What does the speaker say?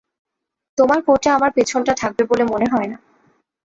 তোমার কোটে আমার পেছনটা ঢাকবে বলে মনে হয় না।